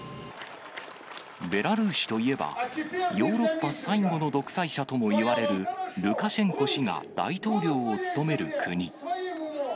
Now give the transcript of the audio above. ベラルーシといえば、ヨーロッパ最後の独裁者ともいわれるルカシェンコ氏が大統領を務める国。